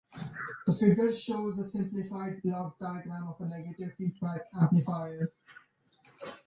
The figure shows a simplified block diagram of a negative feedback amplifier.